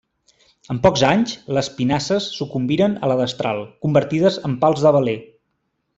En pocs anys, les pinasses sucumbiren a la destral, convertides en pals de veler.